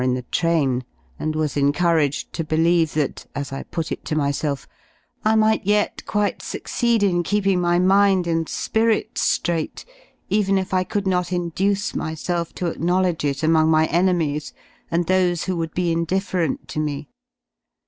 in the train, and was encouraged to believe that — as I put it to myself — I might yet quite succeed in keeping my mind and spirit ^raight, even if I could not induce myself to acknowledge it among my enemies and those who would be indifferent to me.